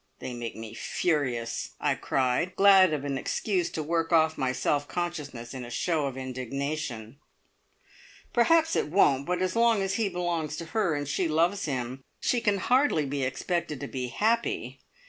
They make me furious!" I cried, glad of an excuse to work off my self consciousness in a show of indignation. "Perhaps it won't; but as he belongs to her, and she loves him, she can hardly be expected to be happy!